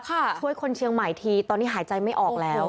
ช่วยคนเชียงใหม่ทีตอนนี้หายใจไม่ออกแล้ว